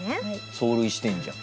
走塁してるじゃん。